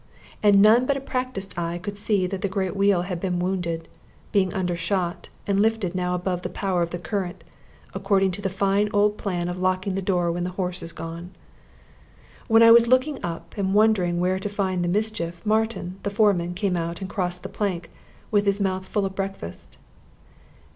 And none but a practiced eye could see that the great wheel had been wounded, being undershot, and lifted now above the power of the current, according to the fine old plan of locking the door when the horse is gone. When I was looking up and wondering where to find the mischief, Martin, the foreman, came out and crossed the plank, with his mouth full of breakfast.